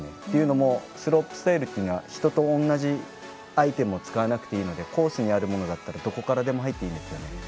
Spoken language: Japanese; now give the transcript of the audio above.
というのも、スロープスタイルは人と同じアイテムを使わなくていいのでコースにあるものならどこからでも入っていいんです。